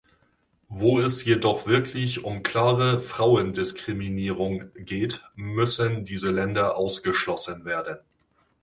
Wo es jedoch wirklich um klare Frauendiskriminierung geht, müssen diese Länder ausgeschlossen werden.